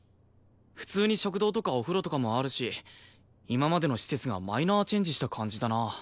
普通に食堂とかお風呂とかもあるし今までの施設がマイナーチェンジした感じだな。